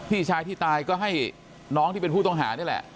พี่ชายที่ตายก็ให้น้องที่เป็นผู้ต้องหานี่แหละ